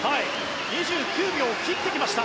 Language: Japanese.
２９秒切ってきました。